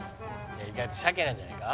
意外と鮭なんじゃないか？